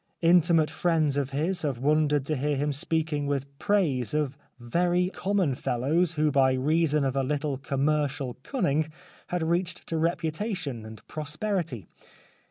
Intimate friends of his have won dered to hear him speaking with praise of very M 177 The Life of Oscar Wilde common fellows who by reason of a little com mercial cunning had reached to reputation and prosperity.